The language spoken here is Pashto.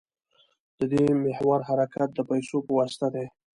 د دې محور حرکت د پیسو په واسطه دی.